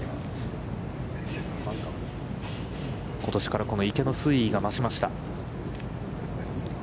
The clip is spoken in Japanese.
ことしから、この池の水位が増しました。